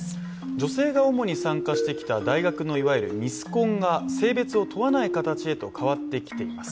女性が主に参加してきた大学のいわゆるミスコンが性別を問わない形へと変わってきています。